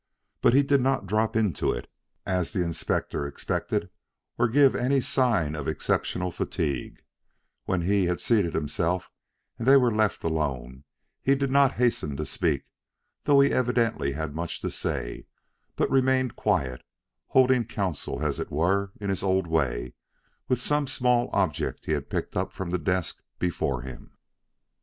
But he did not drop into it, as the Inspector expected, or give any other signs of exceptional fatigue; yet when he had seated himself and they were left alone, he did not hasten to speak, though he evidently had much to say, but remained quiet, holding counsel, as it were, in his old way, with some small object he had picked up from the desk before him.